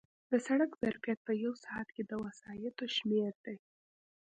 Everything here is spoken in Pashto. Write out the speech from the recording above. د سړک ظرفیت په یو ساعت کې د وسایطو شمېر دی